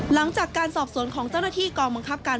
หลังจากการสอบสวนของเจ้าหน้าที่กองบังคับการ